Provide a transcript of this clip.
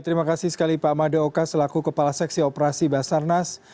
terima kasih sekali pak madaoka selaku kepala seksi operasi basarnas